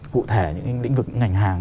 cụ thể những cái lĩnh vực ngành hàng